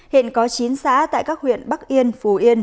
hiện có chín xã tại các huyện bắc yên phù yên